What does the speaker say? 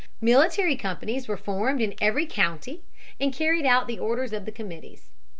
Military companies were formed in every county and carried out the orders of the committees.